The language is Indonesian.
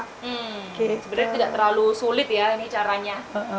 sebenarnya tidak terlalu sulit ya caranya